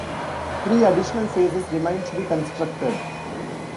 Three additional phases remain to be constructed.